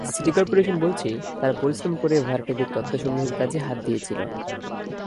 City corporation বলছে, তারা পরিশ্রম করে ভাড়াটেদের তথ্য সংগ্রহের কাজে হাত দিয়েছিল।